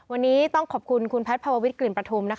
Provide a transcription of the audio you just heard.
วันนี้ต้องขอบคุณคุณแพทย์ภาววิทกลิ่นประทุม